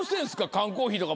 缶コーヒーとか。